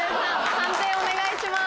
判定お願いします。